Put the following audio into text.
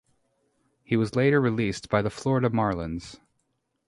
He was later released by the Florida Marlins.